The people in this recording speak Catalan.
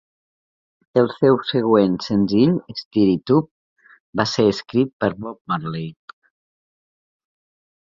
El seu següent senzill, "Stir It Up", va ser escrit per Bob Marley.